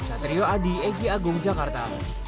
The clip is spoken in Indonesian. satrio adi egy agung jakarta